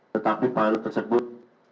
tetapi pilot tersebut